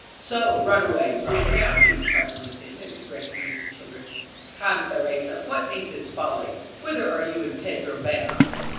"So, runaways, we have found you," cried one of them, as he recognized the children. "Come, Theresa, what means this folly? Whither are you and Pedro bound?"